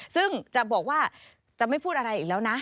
ซึ่งจะบอกว่าจะไม่พูดอะไรอีกแล้วนะ